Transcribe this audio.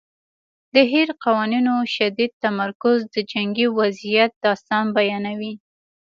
د هیر قوانینو شدید تمرکز د جنګي وضعیت داستان بیانوي.